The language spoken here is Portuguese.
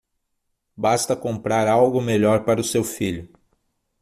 Basta comprar algo melhor para o seu filho.